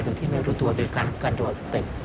โดยที่ไม่รู้ตัวโดยการกระโดดเตะ